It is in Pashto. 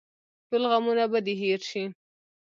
ټول غمونه به دې هېر شي.